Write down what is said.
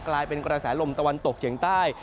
กลายเป็นกระแสลมตะวันตกเฉียงใต้